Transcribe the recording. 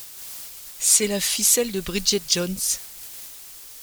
C’est la ficelle de Bridget Jones !